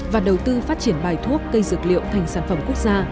và đầu tư phát triển bài thuốc cây dược liệu thành sản phẩm quốc gia